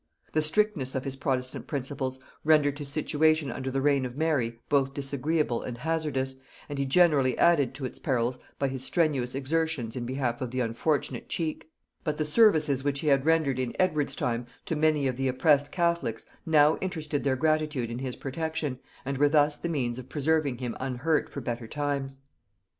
The strictness of his protestant principles rendered his situation under the reign of Mary both disagreeable and hazardous, and he generously added to its perils by his strenuous exertions in behalf of the unfortunate Cheke; but the services which he had rendered in Edward's time to many of the oppressed catholics now interested their gratitude in his protection, and were thus the means of preserving him unhurt for better times.